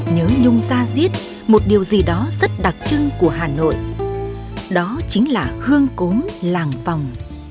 nhớ nhung gia diết một điều gì đó rất đặc trưng của hà nội đó chính là hương cốm làng vòng